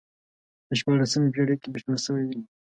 په شپاړسمې پېړۍ کې بشپړ شوی وي.